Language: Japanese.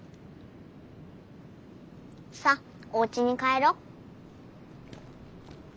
さあおうちに帰ろ。